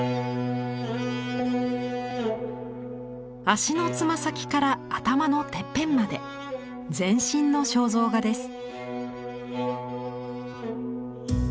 足の爪先から頭のてっぺんまで全身の肖像画です。